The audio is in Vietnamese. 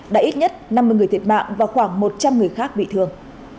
đã ít nhất năm mươi người thiệt mạng và khoảng một trăm linh người khác bị thương